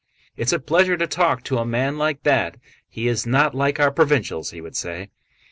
"It's a pleasure to talk to a man like that; he is not like our provincials," he would say.